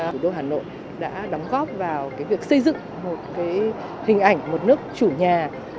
hội đô hà nội đã đóng góp vào việc xây dựng hình ảnh một nước chủ nhà